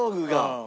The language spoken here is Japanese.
うん。